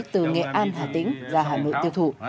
từ nghệ an hà tĩnh ra hà nội tiêu thụ